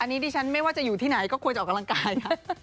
อันนี้ดิฉันไม่ว่าจะอยู่ที่ไหนก็ควรจะออกกำลังกายค่ะ